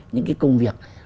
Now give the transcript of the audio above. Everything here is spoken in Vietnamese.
những cái công việc